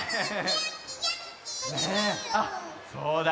あっそうだ。